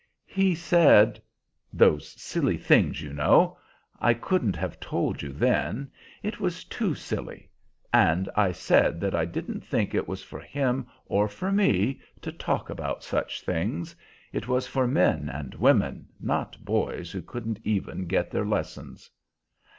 He said those silly things, you know! I couldn't have told you then; it was too silly. And I said that I didn't think it was for him or for me to talk about such things. It was for men and women, not boys who couldn't even get their lessons."